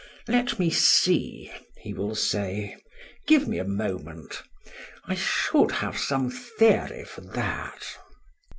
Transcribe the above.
"Let me see," he will say. "Give me a moment. I should have some theory for that."